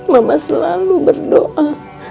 mama selalu berdoa